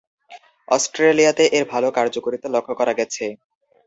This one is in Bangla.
অস্ট্রেলিয়াতে এর ভালো কার্যকারিতা লক্ষ্য করা গেছে।